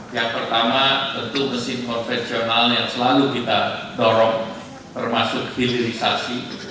yang pertama tentu mesin konvensional yang selalu kita dorong termasuk hilirisasi